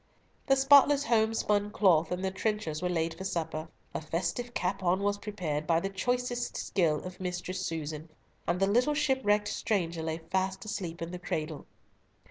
The spotless home spun cloth and the trenchers were laid for supper, a festive capon was prepared by the choicest skill of Mistress Susan, and the little shipwrecked stranger lay fast asleep in the cradle.